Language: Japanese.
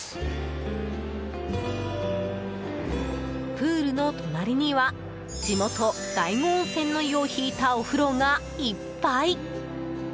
プールの隣には地元・大子温泉の湯を引いたお風呂がいっぱい。